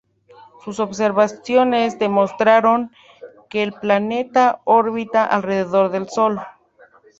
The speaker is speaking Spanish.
Sus observaciones demostraron que el planeta orbita alrededor del Sol.